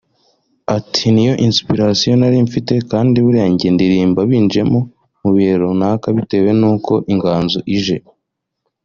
Ati “Niyo inspiration nari mfite kandi buriya njye ndirimba binjemo mu bihe runaka bitewe n’uko inganzo ije